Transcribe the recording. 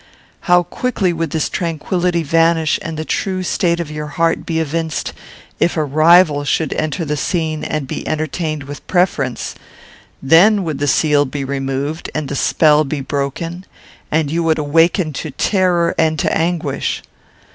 "How quickly would this tranquillity vanish, and the true state of your heart be evinced, if a rival should enter the scene and be entertained with preference! then would the seal be removed, the spell be broken, and you would awaken to terror and to anguish.